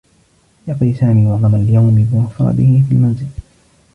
يقضي سامي معظم اليوم بمفرده في المنزل.